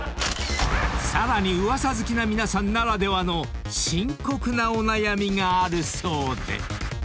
［さらに噂好きな皆さんならではの深刻なお悩みがあるそうで］